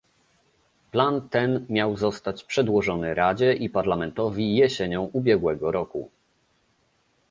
Plan ten miał zostać przedłożony Radzie i Parlamentowi jesienią ubiegłego roku